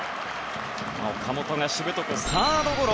岡本がしぶとくサードゴロ。